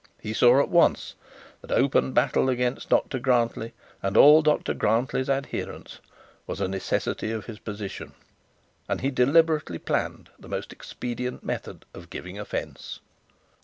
He at once saw that open battle against Dr Grantly and all Dr Grantly's adherents was a necessity of his position, and he deliberately planned the most expedient method of giving offence.